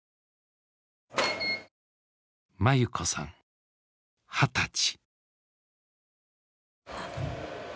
眞優子さん二十歳。